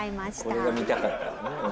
これが見たかったんだね。